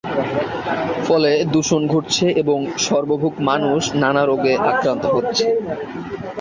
ফলে দূষন ঘটছে এবং সর্বভুক মানুষ নানা রোগে আক্রান্ত হচ্ছে।